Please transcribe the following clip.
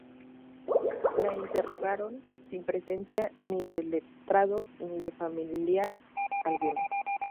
La interrogaron sin presencia ni de letrado ni de familiar alguno.